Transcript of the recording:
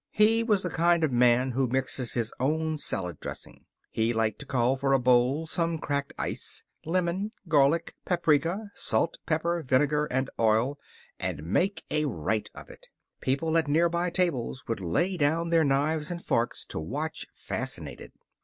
He was the kind of man who mixes his own salad dressing. He liked to call for a bowl, some cracked ice, lemon, garlic, paprika, salt, pepper, vinegar, and oil and make a rite of it. People at near by tables would lay down their knives and forks to watch, fascinated.